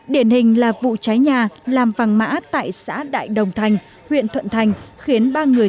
điển hình là vụ cháy nhà làm vàng mã tại xã đại đồng thành huyện thuận thành khiến ba người